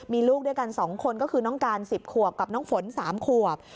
มีลูกด้วยกัน๒คนก็คือน้องการ๑๐ขวบกับน้องฝน๓ขวบ